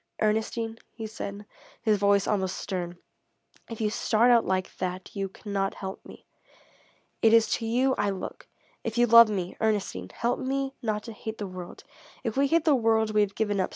"Ernestine," he said, his voice almost stern, "if you start out like that you cannot help me. It is to you I look. If you love me, Ernestine, help me not to hate the world. If we hate the world, we have given up.